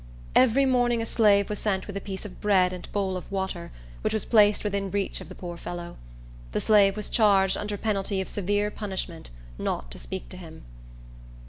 Every morning a slave was sent with a piece of bread and bowl of water, which was placed within reach of the poor fellow. The slave was charged, under penalty of severe punishment, not to speak to him.